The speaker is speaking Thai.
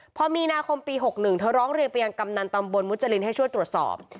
พอมีนาคมปี๖๑เธอร้องเรียนไปยังกำนันตำบลมุจรินให้ช่วยตรวจสอบ